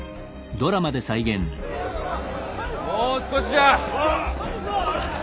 もう少しじゃ！